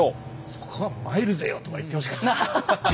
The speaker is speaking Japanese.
そこは「まいるぜよ」とか言ってほしかったなあ。